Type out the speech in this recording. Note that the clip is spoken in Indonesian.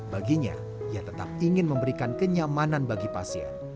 baginya ia tetap ingin memberikan kenyamanan bagi pasien